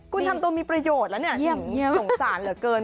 คุณทำตัวมีประโยชน์แล้วเนี่ยสงสารเหลือเกิน